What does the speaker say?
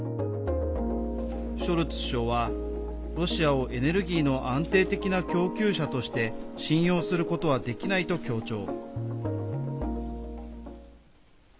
ショルツ首相はロシアをエネルギーの安定的な供給者として信用することはできないと強調。